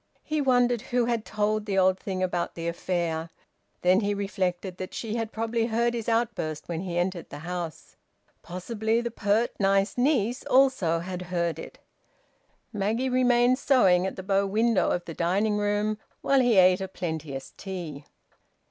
He wondered who had told the old thing about the affair. Then he reflected that she had probably heard his outburst when he entered the house. Possibly the pert, nice niece also had heard it. Maggie remained sewing at the bow window of the dining room while he ate a plenteous tea.